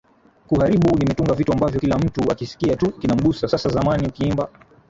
huharibu Nimetunga vitu ambavyo kila mtu akisikia tu kinamgusa Sasa zamani ukiimba